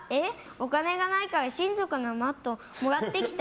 お金がないから親族のマットもらってきた？